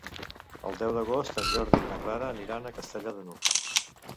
El deu d'agost en Jordi i na Clara aniran a Castellar de n'Hug.